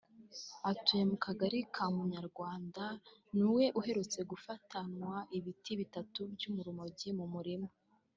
atuye mu kagari ka Munyarwanda niwe uherutse gufatanwa ibiti bitatu by’urumogi mu murima